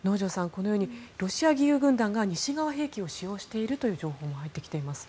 このようにロシア義勇軍団が西側兵器を使用しているという情報も入ってきています。